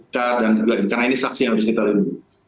karena ini saksi yang harus kita lindungi